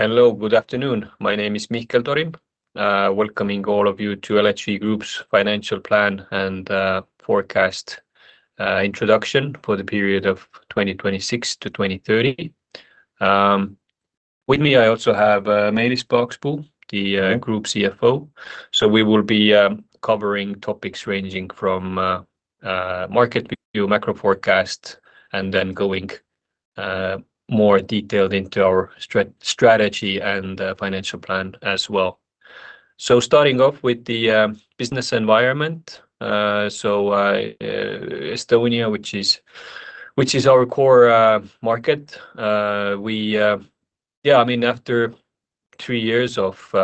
Hello, good afternoon. My name is Mihkel Torim, welcoming all of you to LHV Group's financial plan and forecast introduction for the period of 2026 to 2030. With me, I also have Meelis Paakspuu, the Group CFO. So we will be covering topics ranging from market view, macro forecast, and then going more detailed into our strategy and financial plan as well. So starting off with the business environment. Estonia, which is our core market, we... Yeah, I mean, after three years of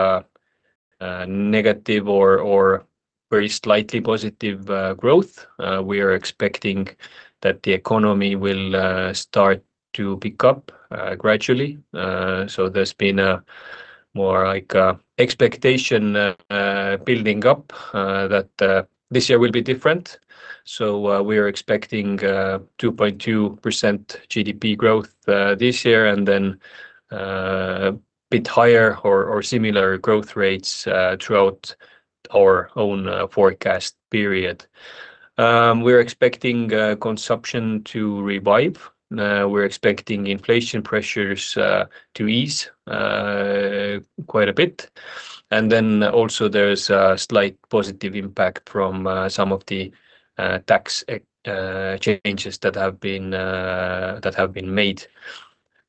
negative or very slightly positive growth, we are expecting that the economy will start to pick up gradually. So there's been a more like expectation building up that this year will be different. So we are expecting 2.2% GDP growth this year, and then a bit higher or similar growth rates throughout our own forecast period. We're expecting consumption to revive. We're expecting inflation pressures to ease quite a bit. And then also there's a slight positive impact from some of the tax changes that have been that have been made.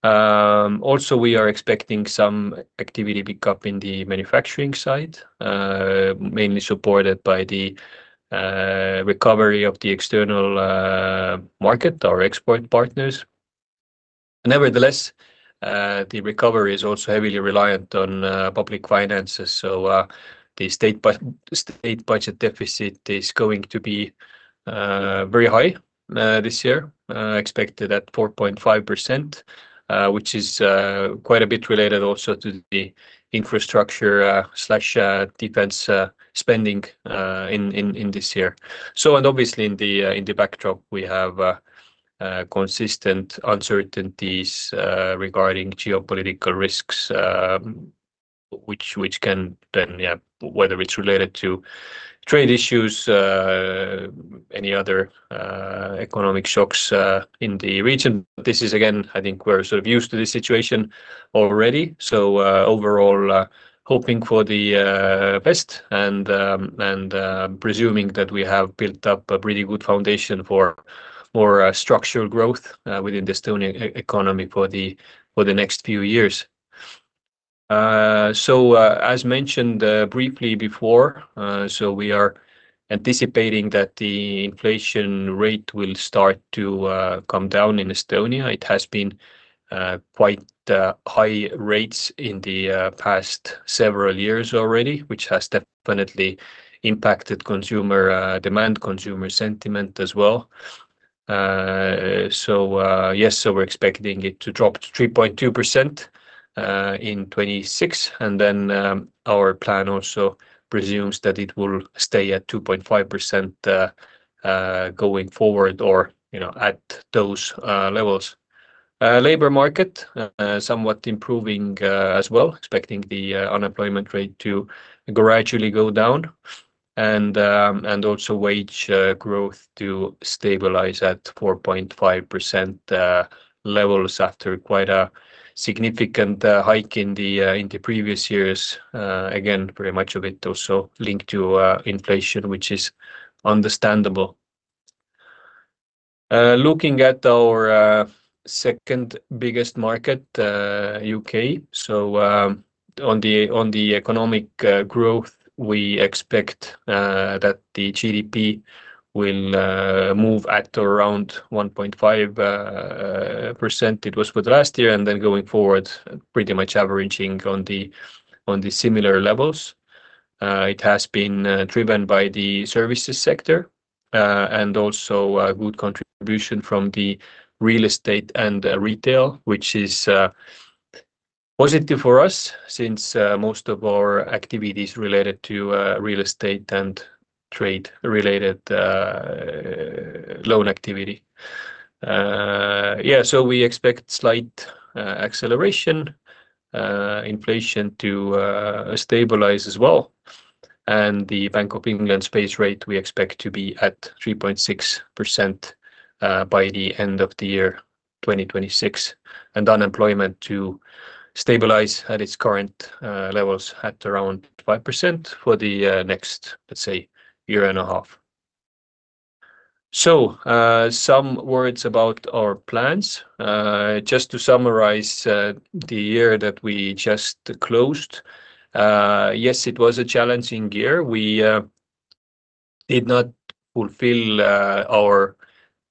Also, we are expecting some activity pick up in the manufacturing side, mainly supported by the recovery of the external market, our export partners. Nevertheless, the recovery is also heavily reliant on public finances. So, the state budget deficit is going to be very high this year, expected at 4.5%, which is quite a bit related also to the infrastructure slash defense spending in this year. So and obviously, in the backdrop, we have consistent uncertainties regarding geopolitical risks, which can then whether it's related to trade issues, any other economic shocks in the region, this is again, I think we're sort of used to this situation already. So, overall, hoping for the best and presuming that we have built up a pretty good foundation for more structural growth within the Estonian economy for the next few years. So, as mentioned briefly before, so we are anticipating that the inflation rate will start to come down in Estonia. It has been quite high rates in the past several years already, which has definitely impacted consumer demand, consumer sentiment as well. So, yes, so we're expecting it to drop to 3.2% in 2026. And then, our plan also presumes that it will stay at 2.5% going forward, or, you know, at those levels. Labor market somewhat improving as well, expecting the unemployment rate to gradually go down and also wage growth to stabilize at 4.5% levels after quite a significant hike in the previous years. Again, pretty much of it also linked to inflation, which is understandable. Looking at our second biggest market, U.K., so, on the economic growth, we expect that the GDP will move at around 1.5% it was for the last year, and then going forward, pretty much averaging on the similar levels. It has been driven by the services sector and also a good contribution from the real estate and retail, which is positive for us since most of our activity is related to real estate and trade-related loan activity. Yeah, so we expect slight acceleration, inflation to stabilize as well. The Bank of England's base rate, we expect to be at 3.6% by the end of the year 2026, and unemployment to stabilize at its current levels at around 5% for the next, let's say, year and a half. Some words about our plans. Just to summarize, the year that we just closed. Yes, it was a challenging year. We did not fulfill our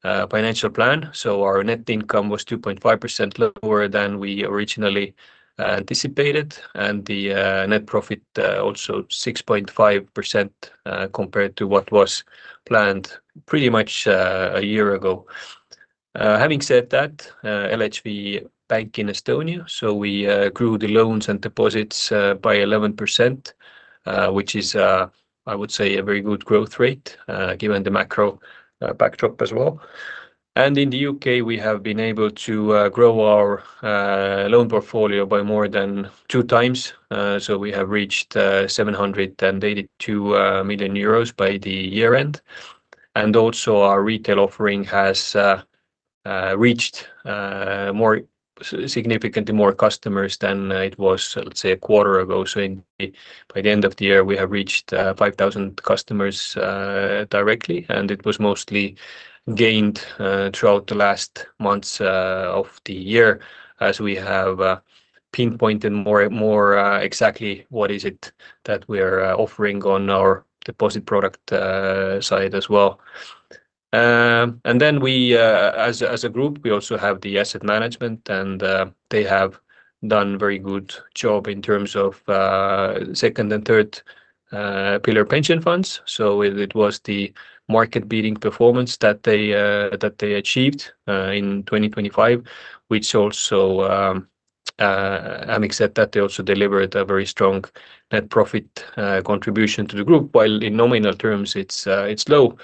financial plan, so our net income was 2.5% lower than we originally anticipated, and the net profit also 6.5% compared to what was planned pretty much a year ago. Having said that, LHV Bank in Estonia, so we grew the loans and deposits by 11%, which is, I would say, a very good growth rate, given the macro backdrop as well. In the UK, we have been able to grow our loan portfolio by more than two times. So we have reached 782 million euros by the year-end. Also our retail offering has reached significantly more customers than it was, let's say, a quarter ago. So, by the end of the year, we have reached 5,000 customers directly, and it was mostly gained throughout the last months of the year as we have pinpointed more exactly what it is that we are offering on our deposit product side as well. And then we, as a group, we also have the asset management, and they have done very good job in terms of second and third pillar pension funds. So it was the market-leading performance that they achieved in 2025, which also, I mean, except that they also delivered a very strong net profit contribution to the group, while in nominal terms, it's low,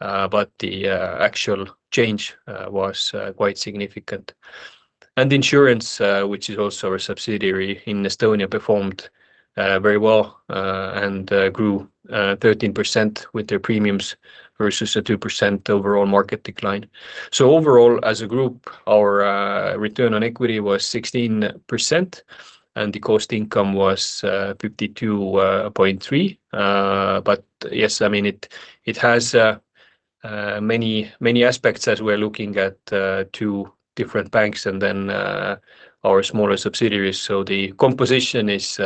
but the actual change was quite significant. Insurance, which is also a subsidiary in Estonia, performed very well and grew 13% with their premiums versus a 2% overall market decline. So overall, as a group, our return on equity was 16%, and the cost income was 52.3%. But yes, I mean, it has many, many aspects as we're looking at two different banks and then our smaller subsidiaries. So the composition is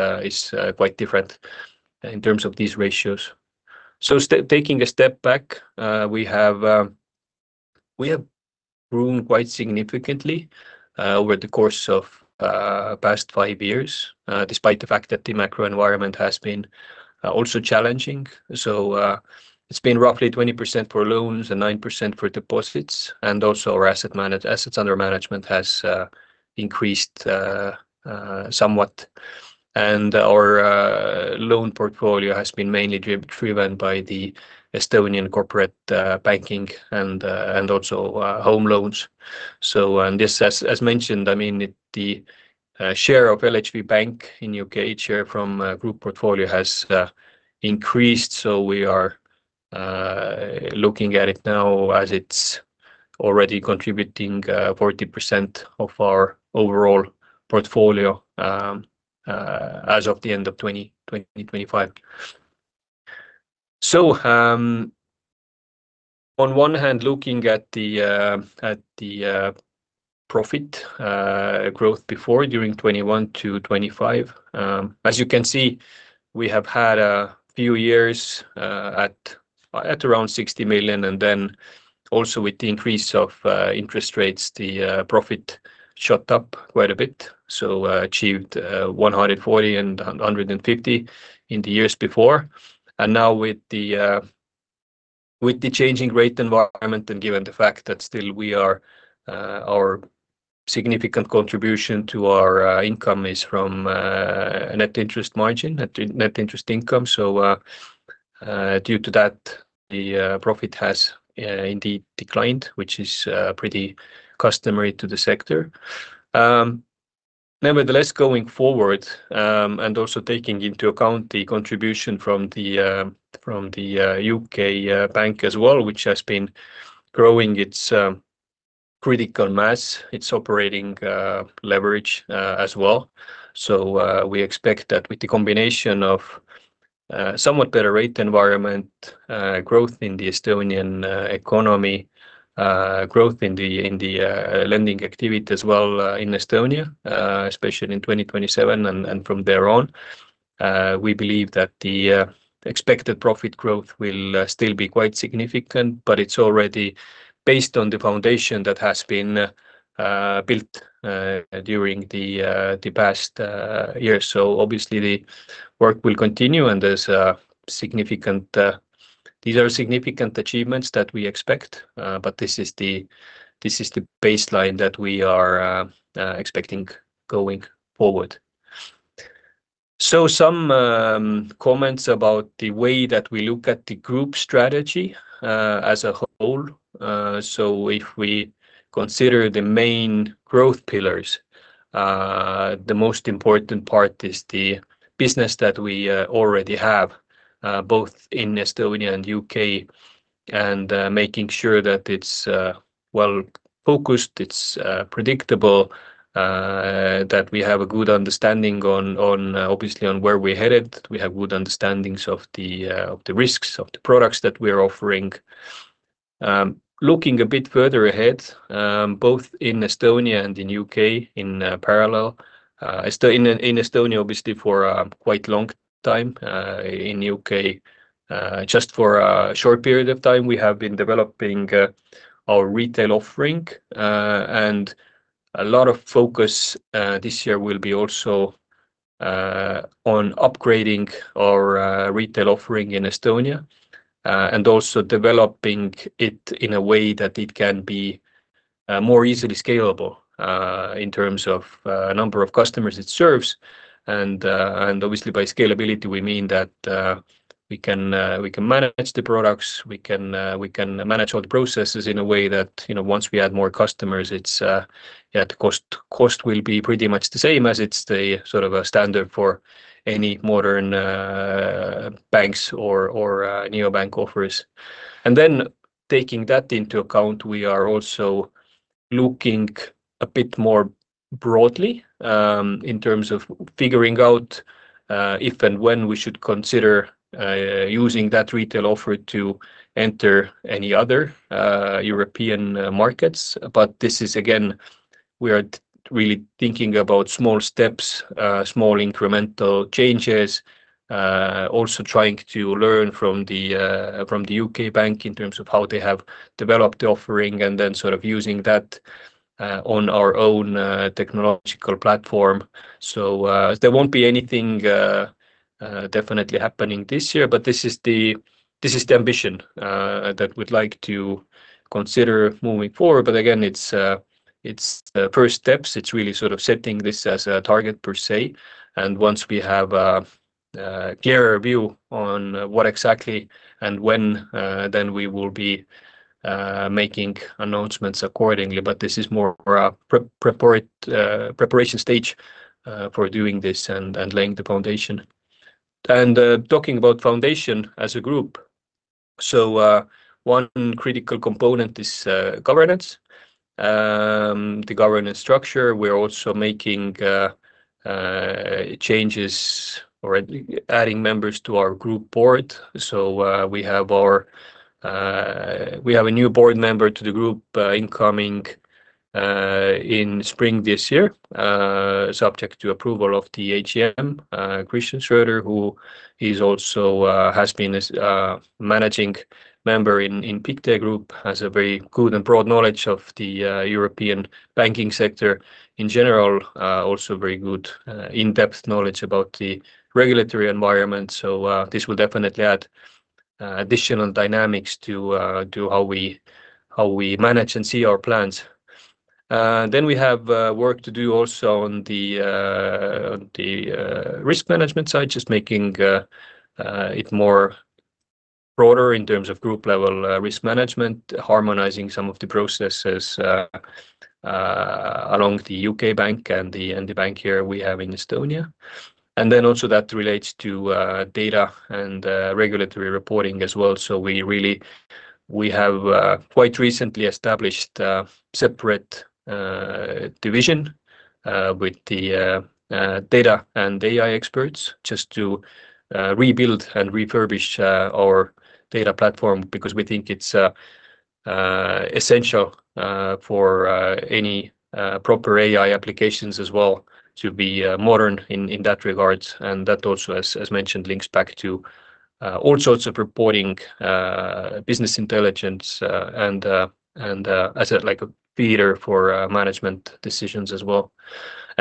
quite different in terms of these ratios. So taking a step back, we have grown quite significantly over the course of past five years despite the fact that the macro environment has been also challenging. So, it's been roughly 20% for loans and 9% for deposits, and also our assets under management has increased somewhat. And our loan portfolio has been mainly driven by the Estonian corporate banking and also home loans. So, and this, as mentioned, I mean, it the share of LHV Bank in U.K. each year from group portfolio has increased, so we are looking at it now as it's already contributing 40% of our overall portfolio as of the end of 2025. So, on one hand, looking at the profit growth before, during 2021-2025, as you can see, we have had a few years at around 60 million, and then also with the increase of interest rates, the profit shot up quite a bit. So, achieved 140 million and 150 million in the years before. And now with the changing rate environment, and given the fact that still our significant contribution to our income is from a Net Interest Margin, Net Interest Income. So, due to that, the profit has indeed declined, which is pretty customary to the sector. Nevertheless, going forward, and also taking into account the contribution from the U.K. bank as well, which has been growing its critical mass, its operating leverage as well. So, we expect that with the combination of somewhat better rate environment, growth in the Estonian economy, growth in the lending activity as well, in Estonia, especially in 2027 and from there on, we believe that the expected profit growth will still be quite significant, but it's already based on the foundation that has been built during the past years. So obviously, the work will continue, and there's significant, these are significant achievements that we expect, but this is the, this is the baseline that we are expecting going forward. So some comments about the way that we look at the group strategy as a whole. So if we consider the main growth pillars, the most important part is the business that we already have, both in Estonia and U.K., and making sure that it's well focused, it's predictable, that we have a good understanding on, on obviously, on where we're headed, we have good understandings of the of the risks of the products that we're offering. Looking a bit further ahead, both in Estonia and in U.K., in parallel, in Estonia, obviously for quite long time, in U.K., just for a short period of time, we have been developing our retail offering. And a lot of focus this year will be also on upgrading our retail offering in Estonia, and also developing it in a way that it can be more easily scalable, in terms of number of customers it serves. And obviously, by scalability, we mean that we can manage the products, we can manage all the processes in a way that, you know, once we add more customers, it's yeah, the cost will be pretty much the same as it's the sort of a standard for any modern banks or neobank offers. And then taking that into account, we are also looking a bit more broadly in terms of figuring out if and when we should consider using that retail offer to enter any other European markets. But this is again, we are really thinking about small steps, small incremental changes, also trying to learn from the, from the U.K. bank in terms of how they have developed the offering and then sort of using that, on our own, technological platform. So, there won't be anything, definitely happening this year, but this is the, this is the ambition, that we'd like to consider moving forward. But again, it's, it's the first steps. It's really sort of setting this as a target per se. And once we have, clearer view on what exactly and when, then we will be, making announcements accordingly. But this is more a preparation stage, for doing this and laying the foundation. And talking about foundation as a group. So, one critical component is governance, the governance structure. We're also making changes or adding members to our group board. So, we have a new board member to the group, incoming, in spring this year, subject to approval of the AGM. Christian Schröder, who is also has been managing member in Pictet Group, has a very good and broad knowledge of the European banking sector in general. Also very good, in-depth knowledge about the regulatory environment. So, this will definitely add additional dynamics to how we manage and see our plans. Then we have work to do also on the risk management side, just making it more broader in terms of group level risk management, harmonizing some of the processes along the U.K. bank and the bank here we have in Estonia. And then also that relates to data and regulatory reporting as well. So we really, we have quite recently established separate division with the data and AI experts just to rebuild and refurbish our data platform because we think it's essential for any proper AI applications as well to be modern in that regard. That also, as mentioned, links back to all sorts of reporting, business intelligence, and, like, a theater for management decisions as well.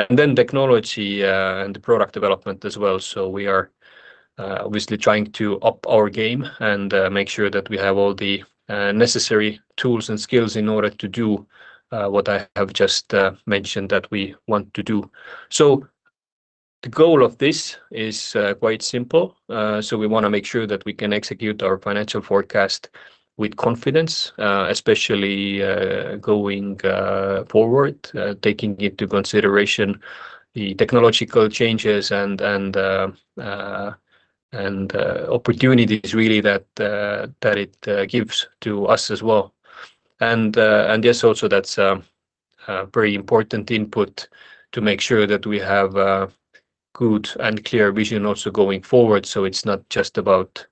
Then technology and product development as well. So we are obviously trying to up our game and make sure that we have all the necessary tools and skills in order to do what I have just mentioned that we want to do. So the goal of this is quite simple. So we wanna make sure that we can execute our financial forecast with confidence, especially going forward, taking into consideration the technological changes and opportunities really that it gives to us as well. And yes, also that's very important input to make sure that we have a good and clear vision also going forward. So it's not just about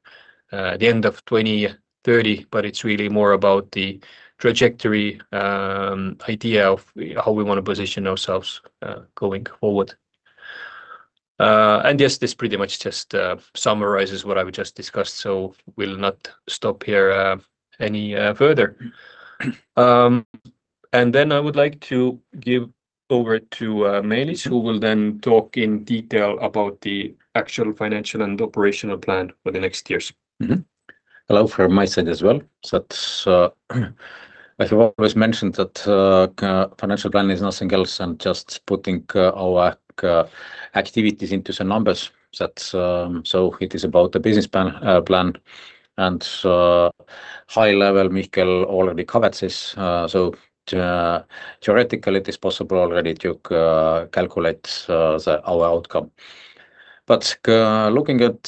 the end of 2030, but it's really more about the trajectory idea of how we wanna position ourselves going forward. And yes, this pretty much just summarizes what I've just discussed, so will not stop here any further. And then I would like to give over to Meelis, who will then talk in detail about the actual financial and operational plan for the next years. Mm-hmm. Hello from my side as well. That, as you always mentioned, that, financial plan is nothing else than just putting, our, activities into the numbers. That, so it is about the business plan, and, high level Mihkel already covered this. So, theoretically, it is possible already to, calculate, the our outcome. But, looking at,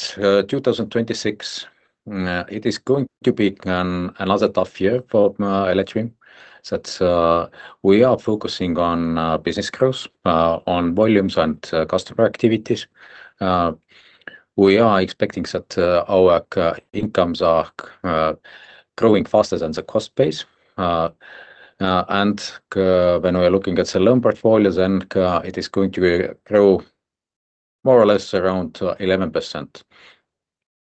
2026, it is going to be, another tough year for, LHV, that, we are focusing on, business growth, on volumes, and, customer activities. We are expecting that, our, incomes are, growing faster than the cost base. And, when we are looking at the loan portfolio, then, it is going to grow more or less around to 11%.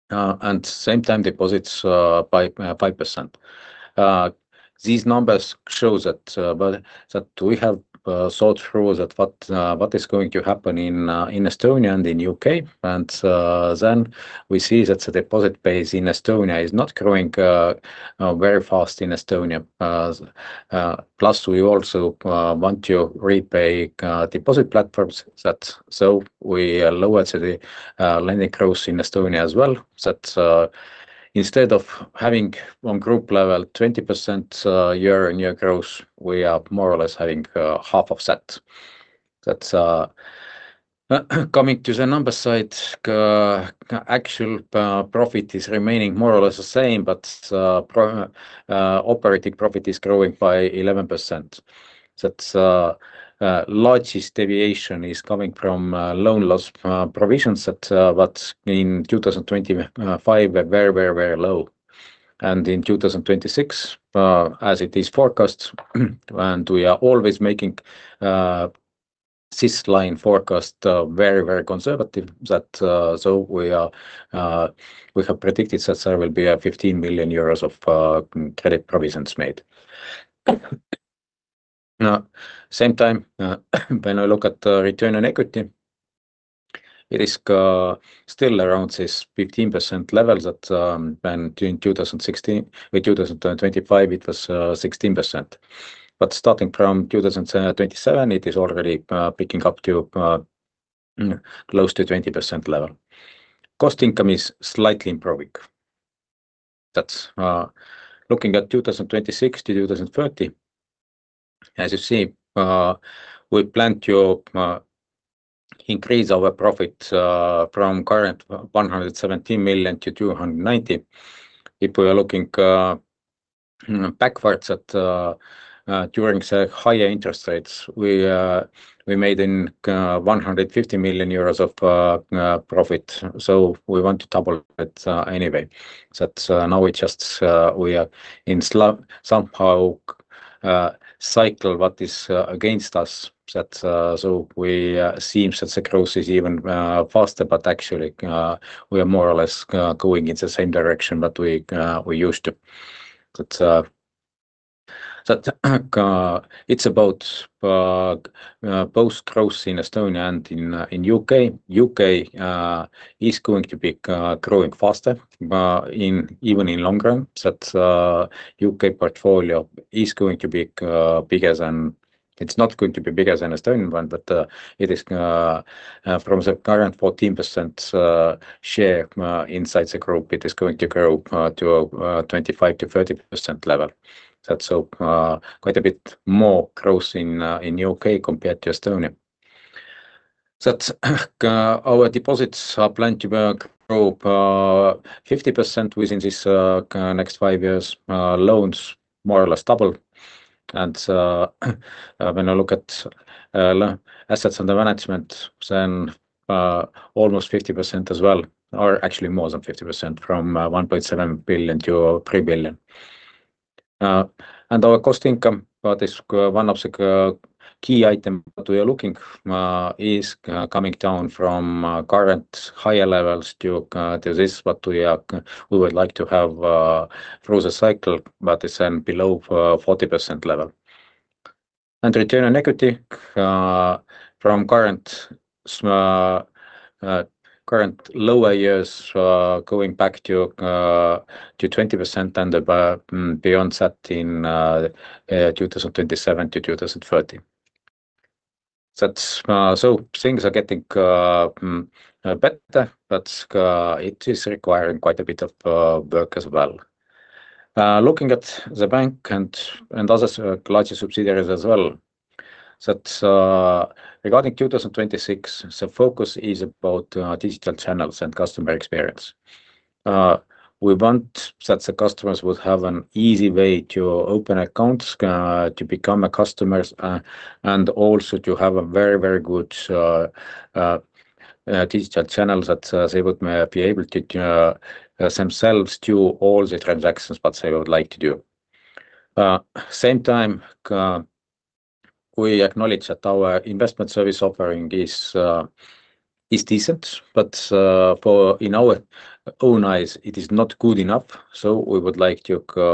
And same time deposits by 5%. These numbers show that, but that we have thought through that, what is going to happen in Estonia and in U.K. Then we see that the deposit base in Estonia is not growing very fast in Estonia. Plus, we also want to repay deposit platforms that, so we lower the lending growth in Estonia as well, that instead of having on group level 20% year-on-year growth, we are more or less having half of that. That's coming to the number side. Actual profit is remaining more or less the same, but operating profit is growing by 11%. That largest deviation is coming from loan loss provisions that in 2025 were very, very, very low. And in 2026, as it is forecast, and we are always making this line forecast very, very conservative, so we have predicted that there will be 15 million euros of credit provisions made. Same time, when I look at the return on equity, it is still around this 15% level that when in 2016... In 2025, it was 16%, but starting from 2027, it is already picking up to close to 20% level. Cost income is slightly improving. That's looking at 2026-2030, as you see, we plan to increase our profit from current 117 million to 290 million. If we are looking backwards at during the higher interest rates, we made 150 million euros of profit, so we want to double it anyway. So now we just we are in slow somehow cycle what is against us, that so we seem that the growth is even faster, but actually we are more or less going in the same direction that we used to. But that it's about both growth in Estonia and in U.K. U.K. is going to be growing faster, even in long run, that U.K. portfolio is going to be bigger than— It's not going to be bigger than Estonian one, but it is from the current 14% share inside the group, it is going to grow to 25%-30% level. That's so quite a bit more growth in U.K. compared to Estonia. That our deposits are planned to grow 50% within this next five years, loans more or less double. And when I look at assets under management, then almost 50% as well, or actually more than 50%, from $1.7 billion to $3 billion. And our cost income, what is one of the key item that we are looking is coming down from current higher levels to to this what we would like to have through the cycle, but it's then below 40% level. And return on equity from current lower years going back to to 20% and beyond that in 2027-2030. That's so things are getting better, but it is requiring quite a bit of work as well. Looking at the bank and other larger subsidiaries as well, that regarding 2026, the focus is about digital channels and customer experience. We want that the customers will have an easy way to open accounts, to become a customers, and also to have a very, very good digital channel that they would be able to themselves do all the transactions that they would like to do. Same time, we acknowledge that our investment service offering is decent, but in our own eyes, it is not good enough, so we would like to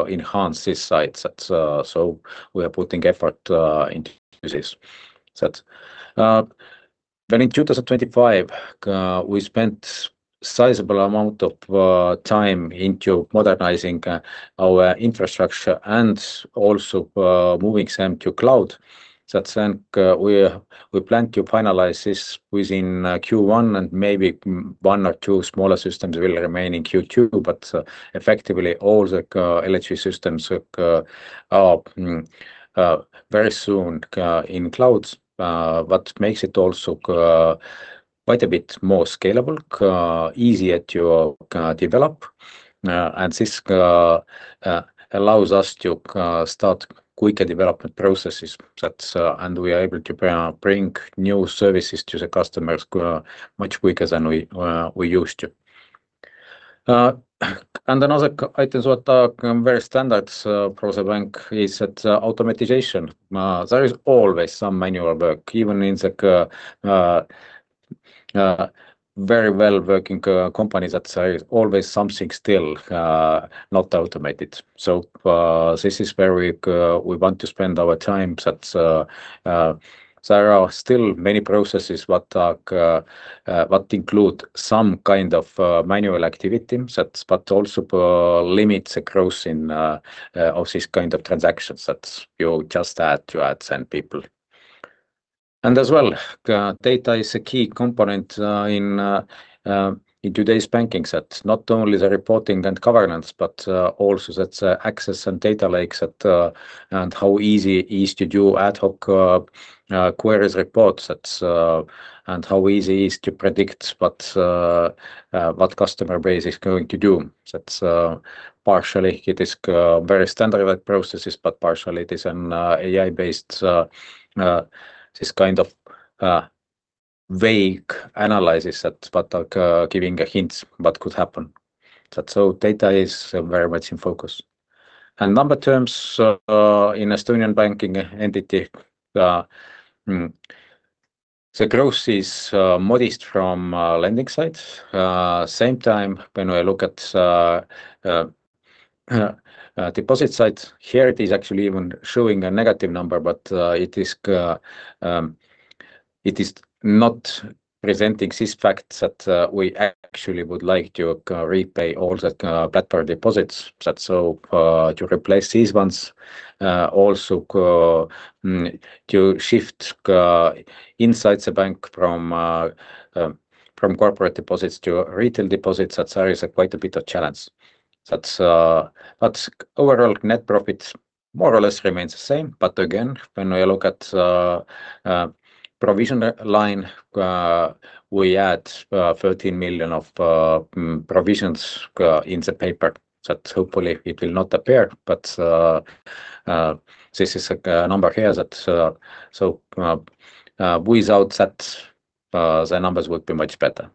enhance this side. So we are putting effort into this. When in 2025, we spent sizable amount of time into modernizing our infrastructure and also moving some to cloud. That then, we plan to finalize this within Q1, and maybe one or two smaller systems will remain in Q2, but effectively, all the LHV systems are very soon in clouds, what makes it also quite a bit more scalable, easier to develop. And this allows us to start quicker development processes, that and we are able to bring new services to the customers much quicker than we used to. And another items what are very standard for the bank is that automation. There is always some manual work, even in the very well working companies that are always something still not automated. So, this is where we want to spend our time, that there are still many processes what include some kind of manual activity, that but also limits across in of this kind of transactions, that you just have to add send people. And as well, data is a key component in in today's banking, that not only the reporting and governance, but also that access and data lakes that and how easy is to do ad hoc queries, reports, that and how easy is to predict what what customer base is going to do. That, partially it is, very standardized processes, but partially it is an, AI-based, this kind of, vague analysis that, but, giving a hints what could happen. That so data is very much in focus. And number terms, in Estonian banking entity, the growth is, modest from, lending side. Same time, when I look at, deposit side, here it is actually even showing a negative number, but, it is, it is not presenting this fact that, we actually would like to, repay all that, bad part deposits. That so, to replace these ones, also, to shift, inside the bank from, from corporate deposits to retail deposits, that's, is quite a bit of challenge. But overall, net profit more or less remains the same. But again, when we look at provision line, we add 13 million of provisions in the paper, that hopefully it will not appear. But this is a number here that, so without that, the numbers would be much better.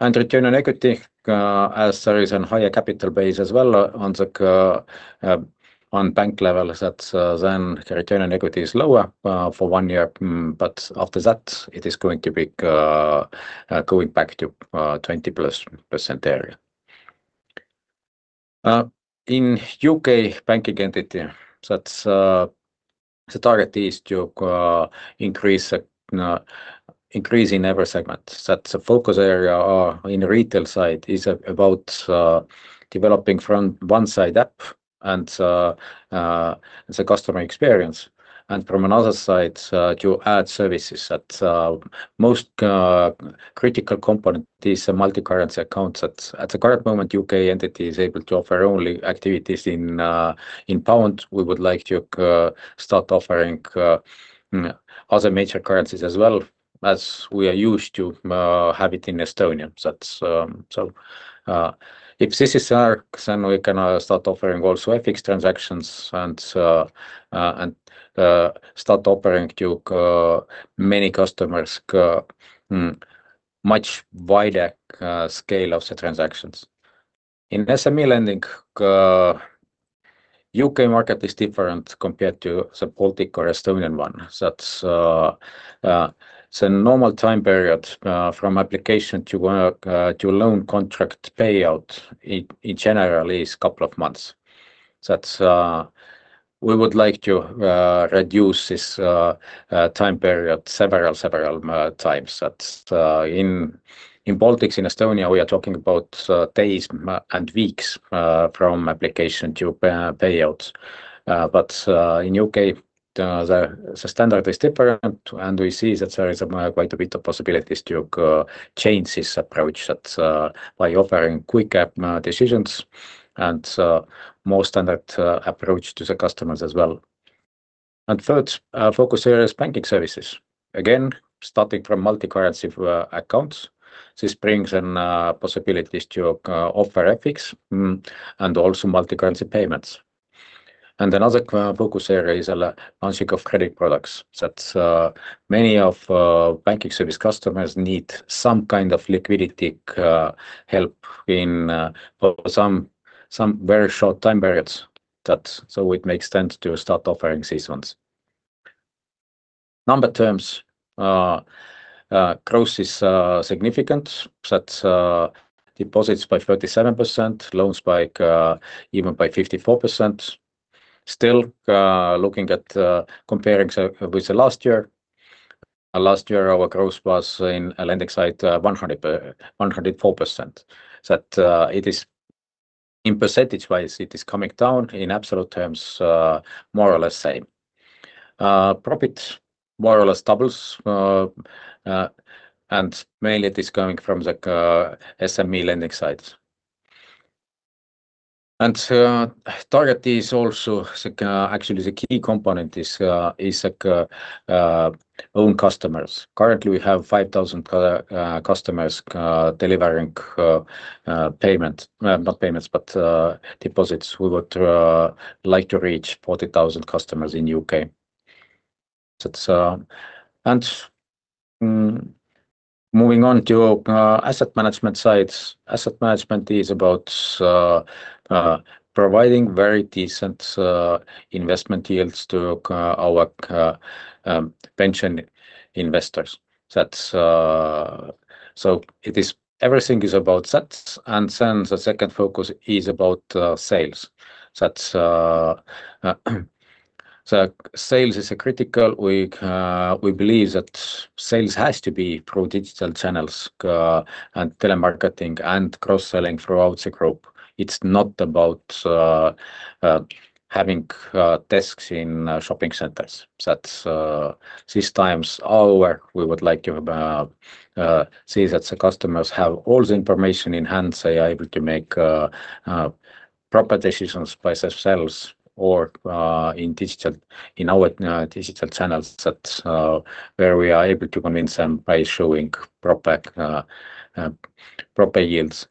And return on equity, as there is a higher capital base as well on the on bank level, that then the return on equity is lower for one year, but after that, it is going to be going back to 20%+ area. In U.K. banking entity, that's the target is to increase increase in every segment. That's a focus area in the retail side is about developing from one side app and the customer experience, and from another side, to add services that most critical component is a multicurrency accounts. At the current moment, U.K. entity is able to offer only activities in pound. We would like to start offering other major currencies as well as we are used to have it in Estonia. That's so if this is arc, then we can start offering also FX transactions and start offering to many customers much wider scale of the transactions. In SME lending, U.K. market is different compared to the Baltic or Estonian one. That's the normal time period from application to loan contract payout. It generally is a couple of months. That's we would like to reduce this time period several times. That in Baltics, in Estonia, we are talking about days and weeks from application to payouts. But in U.K., the standard is different, and we see that there is quite a bit of possibilities to change this approach by offering quicker decisions and more standard approach to the customers as well. And third focus area is banking services. Again, starting from multicurrency accounts, this brings in possibilities to offer FX and also multicurrency payments. Another focus area is a launching of credit products, that many of banking service customers need some kind of liquidity help in for some very short time periods. That, so it makes sense to start offering these ones. In numerical terms, growth is significant, that deposits by 37%, loans by even by 54%. Still, looking at, comparing with the last year, our growth was in a lending side 104%. That, it is in percentage-wise, it is coming down in absolute terms, more or less same. Profit more or less doubles, and mainly it is coming from the SME lending side. And target is also the, actually the key component is like own customers. Currently, we have 5,000 customers delivering payment, not payments, but deposits. We would like to reach 40,000 customers in U.K. That's... Moving on to asset management sites. Asset management is about providing very decent investment yields to our pension investors. That's so it is everything is about that. And then the second focus is about sales. That's the sales is a critical we believe that sales has to be through digital channels and telemarketing and cross-selling throughout the group. It's not about having desks in shopping centers. That's these times our we would like to see that the customers have all the information in hand. They are able to make proper decisions by themselves or in our digital channels. That, where we are able to convince them by showing proper yields.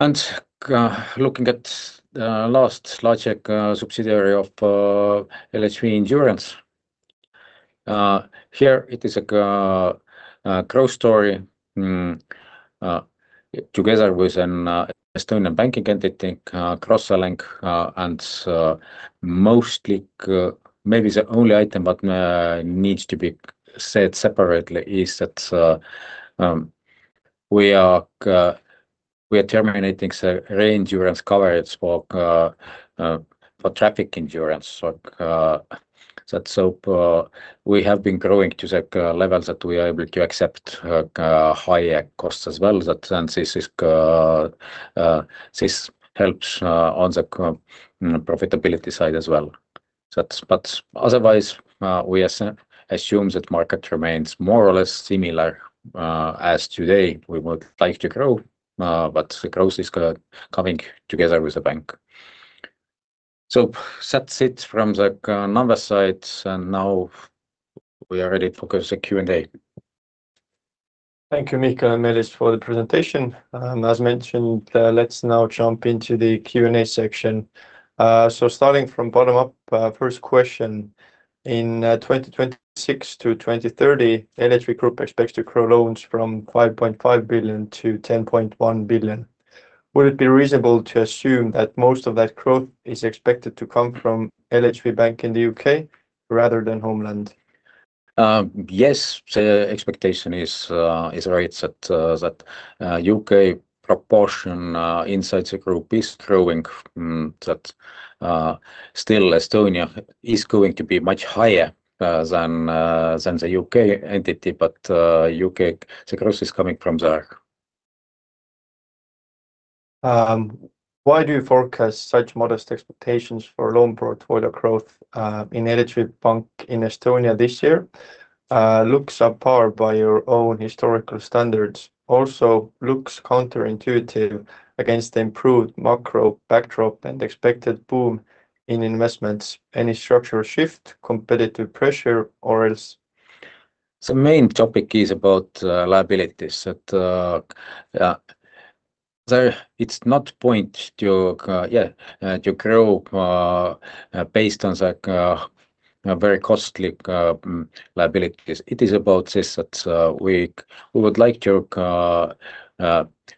And looking at the last logic subsidiary of LHV Insurance, here it is a growth story. Together with an Estonian banking entity, cross-selling, and mostly, maybe the only item that needs to be said separately is that we are terminating the reinsurance coverage for traffic insurance. So, so that we have been growing to the level that we are able to accept higher costs as well, that then this helps on the profitability side as well. That's but otherwise, we assume that market remains more or less similar as today. We would like to grow, but the growth is coming together with the bank. So that's it from the numbers side, and now we are ready to focus the Q&A. Thank you, Mihkel and Meelis, for the presentation. As mentioned, let's now jump into the Q&A section. Starting from bottom up, first question: In 2026 to 2030, LHV Group expects to grow loans from 5.5 billion to 10.1 billion. Would it be reasonable to assume that most of that growth is expected to come from LHV Bank in the U.K. rather than homeland? Yes, the expectation is right that the U.K. proportion inside the group is growing, that still Estonia is going to be much higher than the U.K. entity, but U.K., the growth is coming from there. Why do you forecast such modest expectations for loan portfolio growth in LHV Pank in Estonia this year? Looks are powered by your own historical standards, also looks counterintuitive against the improved macro backdrop and expected boom in investments. Any structural shift, competitive pressure, or else? The main topic is about liabilities, that there's no point to, yeah, to grow based on the very costly liabilities. It is about this, that we would like to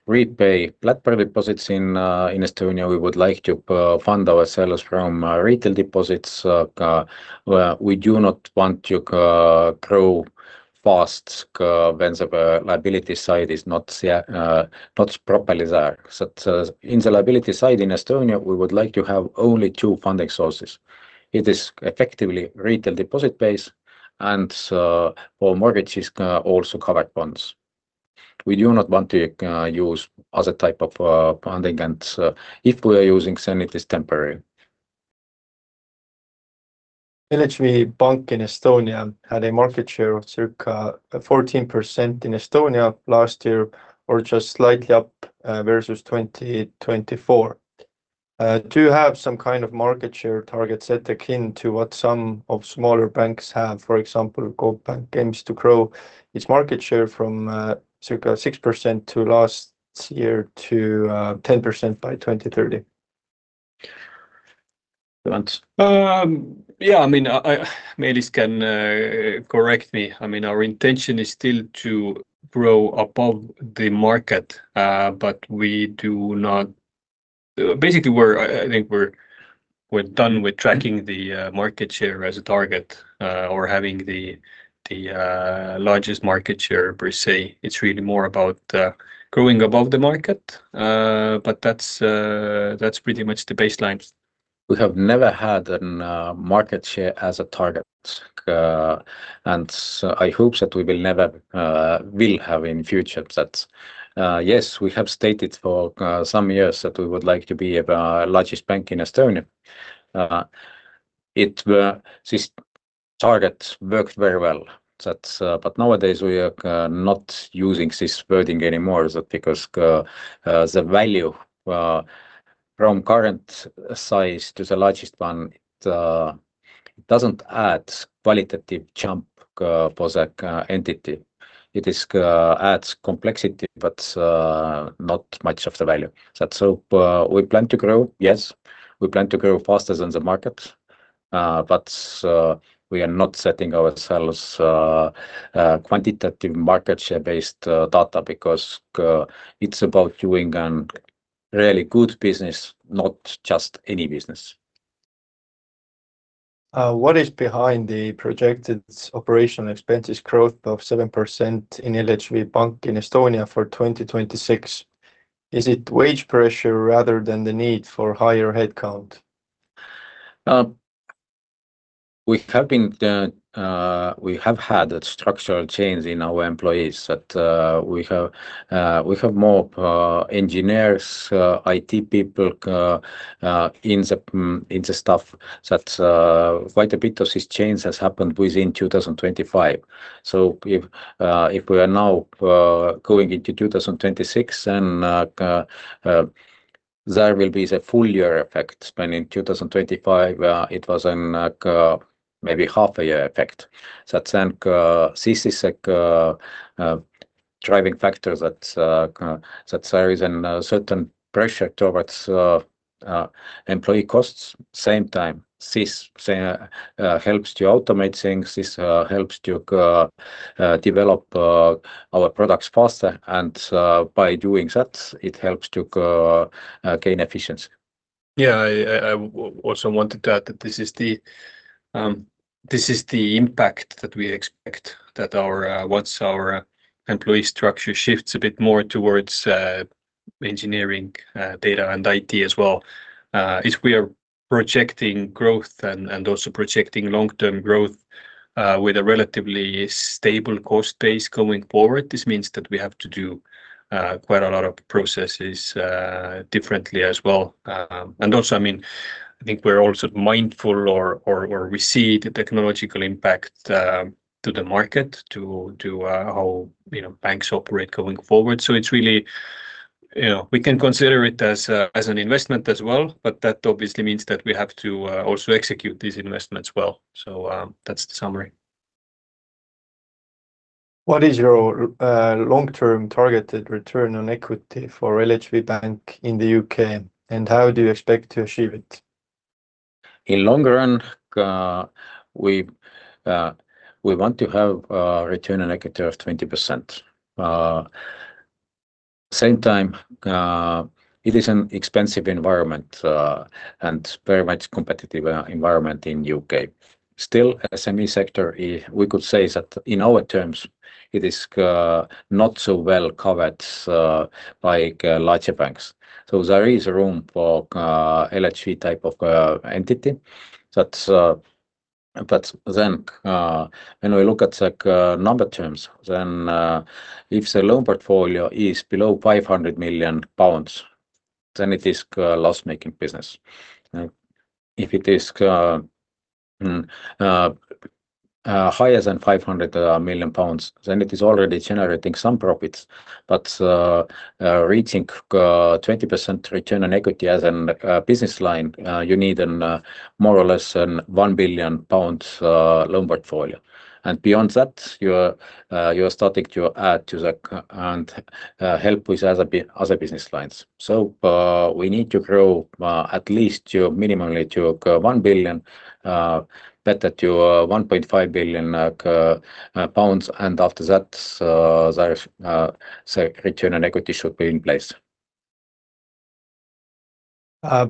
repay platform deposits in Estonia. We would like to fund ourselves from retail deposits. We do not want to grow fast when the liability side is not properly there. So, in the liability side, in Estonia, we would like to have only two funding sources. It is effectively retail deposit base and, for mortgages, also covered bonds. We do not want to use other type of funding, and if we are using, then it is temporary. LHV Pank in Estonia had a market share of circa 14% in Estonia last year, or just slightly up, versus 2024. Do you have some kind of market share target set akin to what some of smaller banks have? For example, Coop Pank aims to grow its market share from circa 6% last year to 10% by 2030. Yeah, I mean, Meelis can correct me. I mean, our intention is still to grow above the market, but we do not. Basically, we're done with tracking the market share as a target, or having the largest market share per se. It's really more about growing above the market, but that's pretty much the baseline. We have never had a market share as a target, and I hope that we will never have in future. Yes, we have stated for some years that we would like to be the largest bank in Estonia. This target worked very well. But nowadays we are not using this wording anymore, because the value from current size to the largest one doesn't add qualitative jump for the entity. It adds complexity, but not much of the value. So, we plan to grow, yes, we plan to grow faster than the market, but we are not setting ourselves quantitative market share-based data because it's about doing a really good business, not just any business. What is behind the projected operational expenses growth of 7% in LHV Pank in Estonia for 2026? Is it wage pressure rather than the need for higher headcount? We have been, we have had a structural change in our employees that we have more engineers, IT people in the staff. That quite a bit of this change has happened within 2025. So if we are now going into 2026, then there will be the full year effect when in 2025 it was maybe half a year effect. That then this is a driving factor that there is a certain pressure towards employee costs. Same time, this helps to automate things, this helps to develop our products faster, and by doing that, it helps to gain efficiency. Yeah, I also wanted to add that this is the impact that we expect, that our once our employee structure shifts a bit more towards engineering, data and IT as well, is we are projecting growth and also projecting long-term growth, with a relatively stable cost base going forward. This means that we have to do quite a lot of processes differently as well. And also, I mean, I think we're also mindful or we see the technological impact to the market, to how, you know, banks operate going forward. So it's really, you know, we can consider it as an investment as well, but that obviously means that we have to also execute this investment well. So, that's the summary. What is your long-term targeted return on equity for LHV Bank in the U.K., and how do you expect to achieve it? In long run, we want to have return on equity of 20%. Same time, it is an expensive environment and very much competitive environment in U.K. Still, SME sector, we could say that in our terms, it is not so well covered by larger banks. So there is room for LHV type of entity. That, but then, when we look at the number terms, then if the loan portfolio is below 500 million pounds, then it is loss-making business. If it is higher than 500 million pounds, then it is already generating some profits. But reaching 20% return on equity as a business line, you need more or less a 1 billion pounds loan portfolio. Beyond that, you are starting to add to the, and help with other business lines. We need to grow at least to minimally to 1 billion, better to 1.5 billion pounds, and after that, there is, so return on equity should be in place.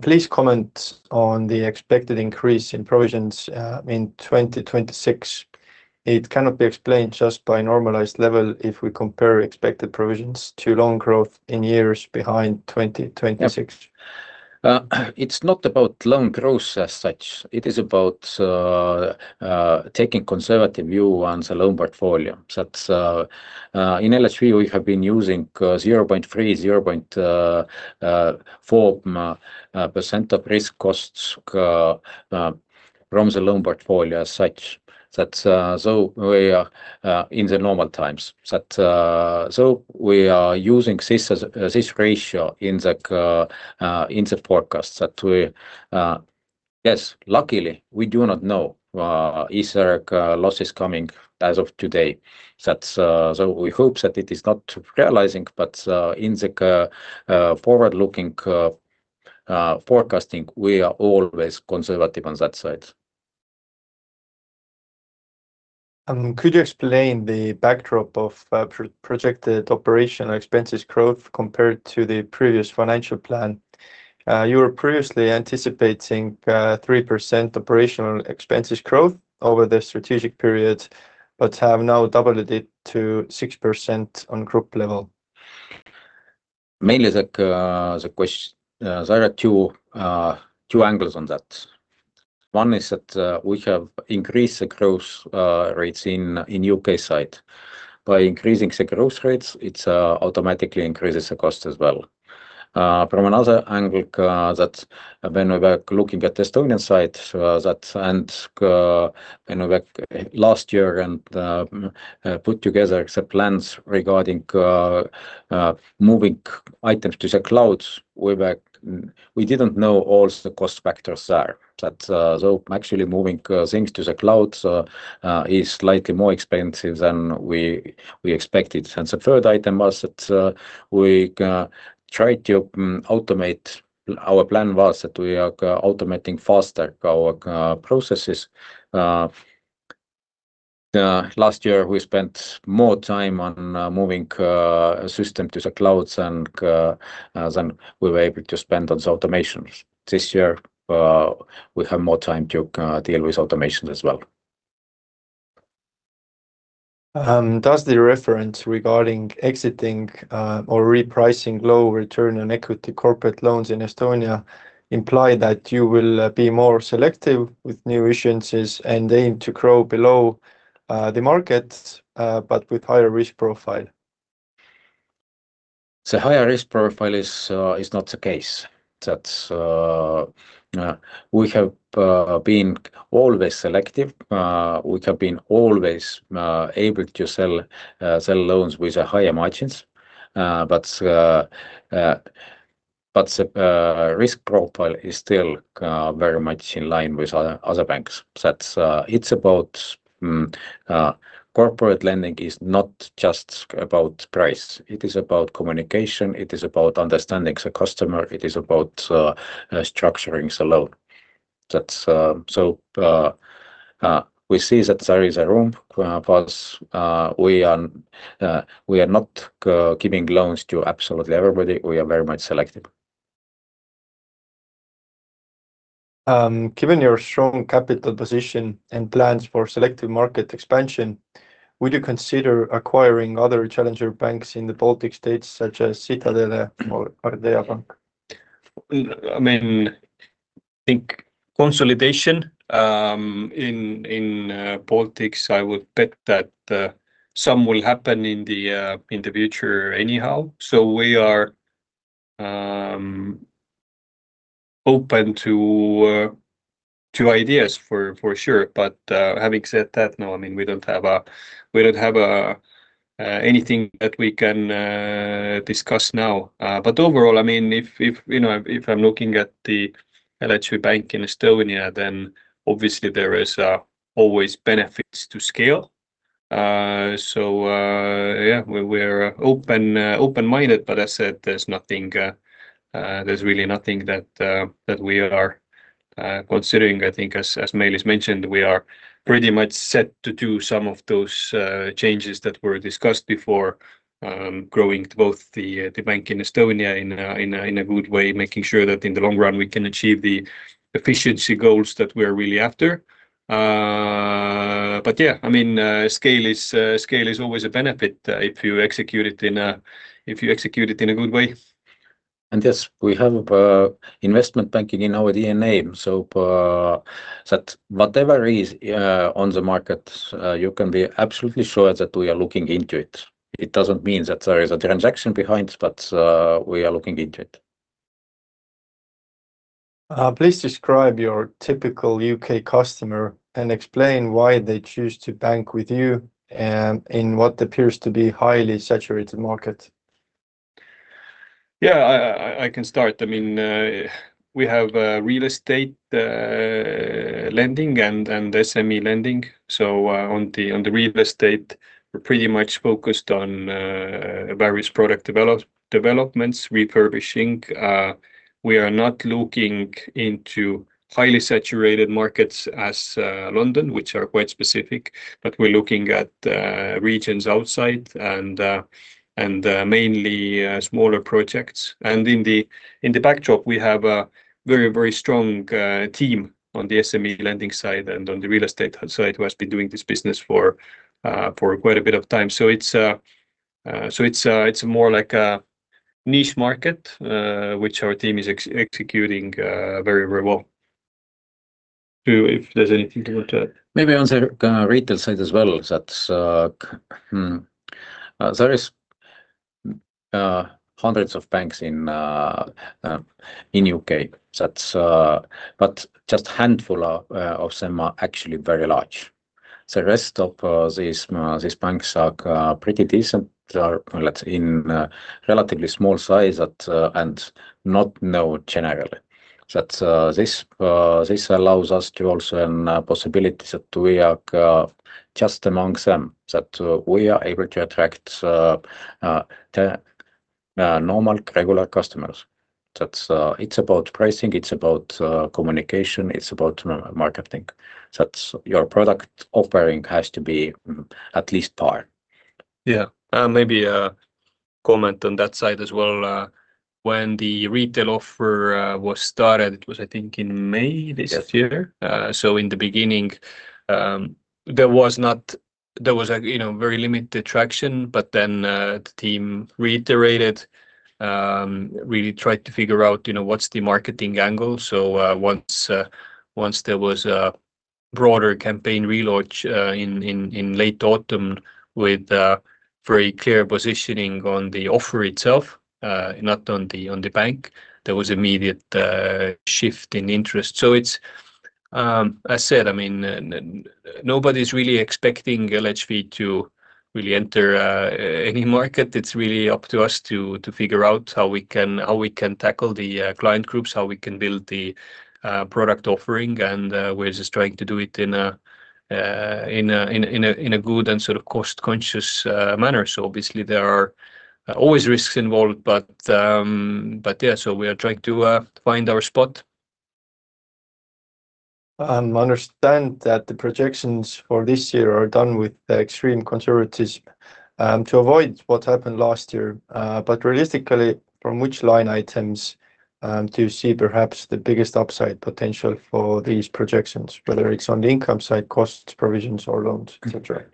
Please comment on the expected increase in provisions in 2026. It cannot be explained just by normalized level if we compare expected provisions to loan growth in years behind 2026. Yep. It's not about loan growth as such. It is about taking conservative view on the loan portfolio. That, in LHV, we have been using 0.3, 0.4% of risk costs from the loan portfolio as such, that, so we are in the normal times. That, so we are using this as this ratio in the in the forecast that we... Yes, luckily, we do not know is there losses coming as of today. That, so we hope that it is not realizing, but in the forward-looking forecasting, we are always conservative on that side. Could you explain the backdrop of projected operational expenses growth compared to the previous financial plan? You were previously anticipating 3% operational expenses growth over the strategic period, but have now doubled it to 6% on group level. Mainly, there are two angles on that. One is that we have increased the growth rates in UK side. By increasing the growth rates, it automatically increases the cost as well. From another angle, when we were looking at the Estonian side, when we work last year and put together the plans regarding moving items to the cloud, we didn't know all the cost factors there. So actually moving things to the cloud is slightly more expensive than we expected. And the third item was that we tried to automate. Our plan was that we are automating faster our processes. Last year, we spent more time on moving system to the clouds and than we were able to spend on automations. This year, we have more time to deal with automation as well. Does the reference regarding exiting or repricing low return on equity corporate loans in Estonia imply that you will be more selective with new issuances and aim to grow below the market but with higher risk profile? The higher risk profile is not the case. That we have been always selective. We have been always able to sell loans with higher margins. But the risk profile is still very much in line with other banks. That's, it's about corporate lending is not just about price. It is about communication, it is about understanding the customer, it is about structuring the loan. That's so we see that there is a room, but we are not giving loans to absolutely everybody. We are very much selective. Given your strong capital position and plans for selective market expansion, would you consider acquiring other challenger banks in the Baltic States, such as Citadele or Nordea Bank? I mean, I think consolidation in Baltics, I would bet that some will happen in the future anyhow. So we are open to ideas for sure. But having said that, no, I mean, we don't have anything that we can discuss now. But overall, I mean, if you know, if I'm looking at the LHV Bank in Estonia, then obviously there is always benefits to scale. So yeah, we're open open-minded, but I said there's really nothing that we are considering. I think as Meelis mentioned, we are pretty much set to do some of those changes that were discussed before, growing both the bank in Estonia in a good way, making sure that in the long run we can achieve the efficiency goals that we're really after. But yeah, I mean, scale is always a benefit, if you execute it in a good way. Yes, we have investment banking in our DNA, so that whatever is on the market, you can be absolutely sure that we are looking into it. It doesn't mean that there is a transaction behind, but we are looking into it. Please describe your typical U.K. customer and explain why they choose to bank with you, in what appears to be highly saturated market? Yeah, I can start. I mean, we have real estate lending and SME lending. So, on the real estate, we're pretty much focused on various product developments, refurbishing. We are not looking into highly saturated markets as London, which are quite specific, but we're looking at regions outside and mainly smaller projects. And in the backdrop, we have a very, very strong team on the SME lending side and on the real estate side, who has been doing this business for quite a bit of time. So it's more like a niche market which our team is executing very, very well. If there's anything you want to. Maybe on the retail side as well, there is hundreds of banks in U.K. That's, but just handful of them are actually very large. The rest of these banks are pretty decent, are, well, in relatively small size, that and not known generally. That this allows us to also an possibility that we are just among them, that we are able to attract the normal, regular customers. That it's about pricing, it's about communication, it's about marketing. That's your product offering has to be at least par. Yeah. Maybe a comment on that side as well. When the retail offer was started, it was, I think, in May this year. Yes. So in the beginning, there was a, you know, very limited traction, but then, the team reiterated, really tried to figure out, you know, what's the marketing angle. So once there was a broader campaign relaunch in late autumn with very clear positioning on the offer itself, not on the bank, there was immediate shift in interest. So it's, I said, I mean, nobody's really expecting LHV to really enter any market. It's really up to us to figure out how we can tackle the client groups, how we can build the product offering, and we're just trying to do it in a good and sort of cost-conscious manner. So obviously, there are always risks involved, but, but yeah, so we are trying to find our spot. I understand that the projections for this year are done with extreme conservatism to avoid what happened last year. But realistically, from which line items do you see perhaps the biggest upside potential for these projections, whether it's on the income side, costs, provisions, or loans, et cetera?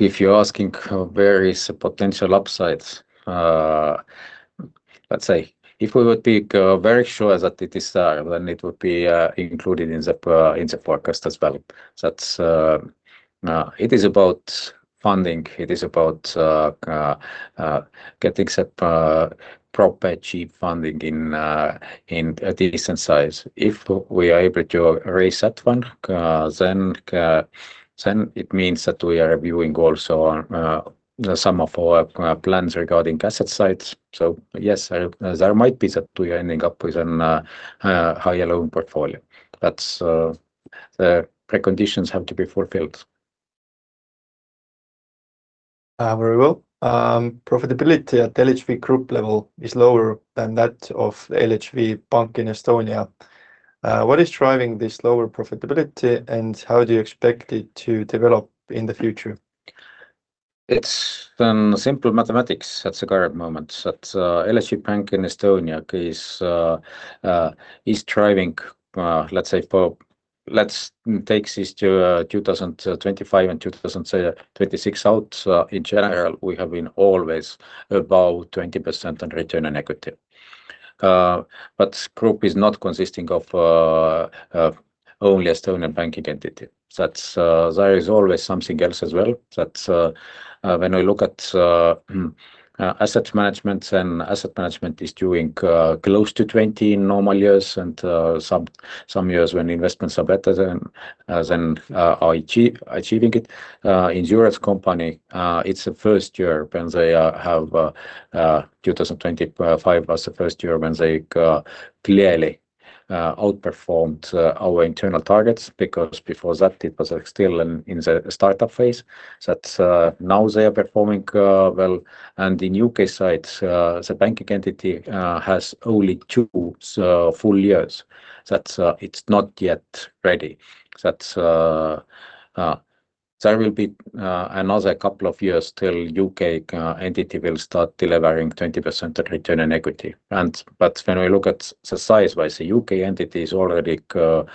If you're asking, where is the potential upsides? Let's say, if we would be very sure that it is there, then it would be included in the forecast as well. That's it. It is about funding. It is about getting a proper cheap funding in a decent size. If we are able to raise that one, then it means that we are reviewing also some of our plans regarding asset sides. So yes, there, there might be that we are ending up with a higher loan portfolio, but the preconditions have to be fulfilled. Very well. Profitability at LHV Group level is lower than that of LHV Pank in Estonia. What is driving this lower profitability, and how do you expect it to develop in the future? It's simple mathematics at the current moment that LHV Bank in Estonia is driving, let's say for... Let's take this to 2025 and 2026 out. In general, we have been always above 20% on return on equity. But group is not consisting of only Estonian banking entity. That's, there is always something else as well, that when I look at asset management, and asset management is doing close to 20 in normal years, and some years when investments are better than are achieving it. In European company, 2025 was the first year when they clearly outperformed our internal targets, because before that, it was still in the startup phase. Now they are performing well. On the U.K. side, the banking entity has only two full years. That's it; it's not yet ready. There will be another couple of years till U.K. entity will start delivering 20% of return on equity. But when we look at the size, the U.K. entity is already 14%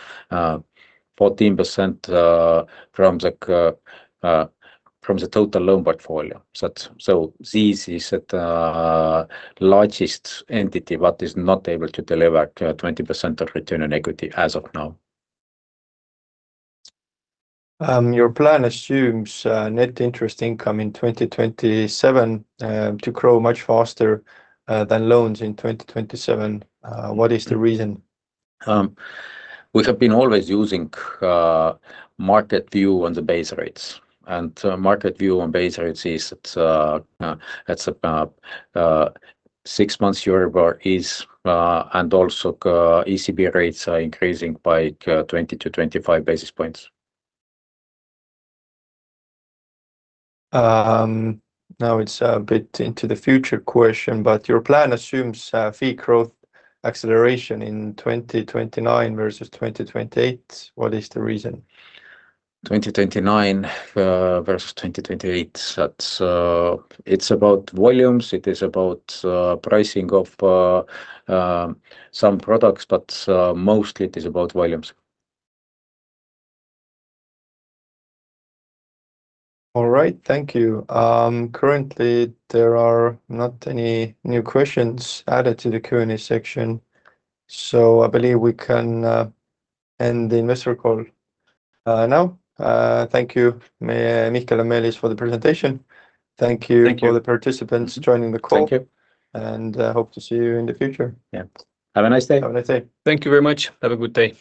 from the total loan portfolio. So this is the largest entity, but is not able to deliver 20% of return on equity as of now. Your plan assumes net interest income in 2027 to grow much faster than loans in 2027. What is the reason? We have been always using market view on the base rates, and market view on base rates is that that's about six months Euribor, and also ECB rates are increasing by 20-25 basis points. Now it's a bit into the future question, but your plan assumes fee growth acceleration in 2029 versus 2028. What is the reason? 2029 versus 2028, that's, it's about volumes. It is about pricing of some products, but mostly it is about volumes. All right. Thank you. Currently, there are not any new questions added to the Q&A section, so I believe we can end the investor call now. Thank you, Mihkel and Meelis, for the presentation. Thank you. Thank you for the participants joining the call. Thank you. Hope to see you in the future. Yeah. Have a nice day. Have a nice day. Thank you very much. Have a good day.